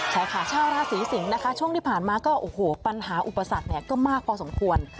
ใช่ค่ะชาวราศีสิงศ์นะคะช่วงที่ผ่านมาก็โอ้โหปัญหาอุปสรรคก็มากพอสมควร